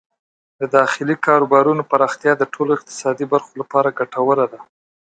د داخلي کاروبارونو پراختیا د ټولو اقتصادي برخو لپاره ګټوره ده.